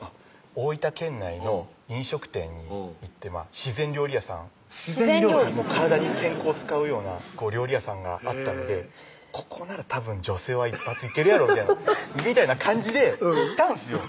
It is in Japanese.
大分県内の飲食店に行って自然料理屋さん自然料理体に健康ような料理屋さんがあったのでここならたぶん女性は一発いけるやろみたいなみたいな感じで行ったんですよ